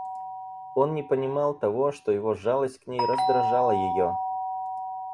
Он не понимал того, что его жалость к ней раздражала ее.